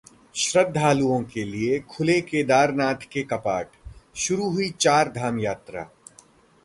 श्रृद्धालुओं के लिए खुले केदारनाथ के कपाट, शुरू हुई चार धाम यात्रा